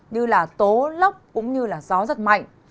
như là tố lóc cũng như là gió rất mạnh